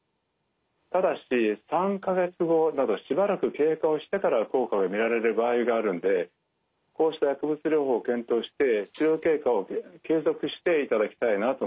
ただし３か月後などしばらく経過をしてから効果が見られる場合があるのでこうした薬物療法を検討して治療経過を継続していただきたいなと思いますね。